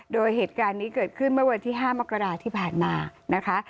โดยเหตุการณ์นี้เกิดขึ้นเมื่อวันที่๕มกราที่ผ่านมานะคะ